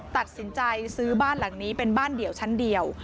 ตัดสินใจซื้อบ้านหลังนี้เป็นบ้านเดี่ยวชั้นเดียว